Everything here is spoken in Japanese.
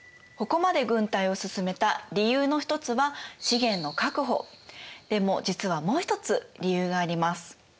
ここまで軍隊を進めた理由の一つはでも実はもう一つ理由があります。